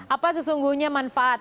apa sesungguhnya manfaat